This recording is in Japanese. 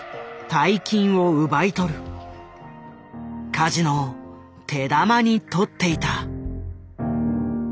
カジノを手玉に取っていた。